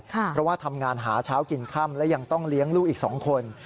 เพราะว่าทำงานหาเช้ากินค่ำและยังต้องเลี้ยงลูกอีก๒คน